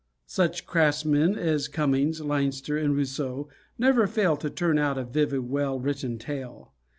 Such craftsmen as Cummings, Leinster and Rousseau never fail to turn out a vivid, well written tale.